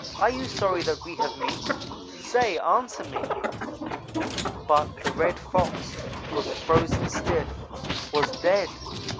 Are you sorry that we have meat? Say, answer me!' "But the Red Fox was frozen stiff was dead.